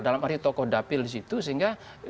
dalam arti tokoh dapil di situ sehingga